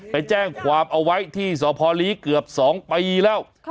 ไปแจ้งความเอาไว้ที่สพลีเกือบ๒ปีแล้ว